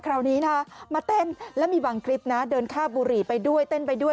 คราวนี้นะมาเต้นแล้วมีบางคลิปนะเดินค่าบุหรี่ไปด้วยเต้นไปด้วย